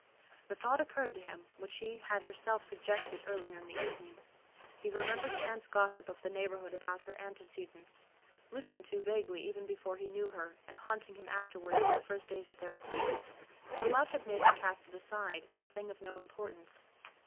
The thought occurred to him, which she had herself suggested, earlier in the evening. He remembered chance gossip of the Neighborhood about her antecedents, listened to vaguely even before he knew her, and haunting him afterwards in the first days of their acquaintance, till love had made him cast it aside, as a thing of no importance.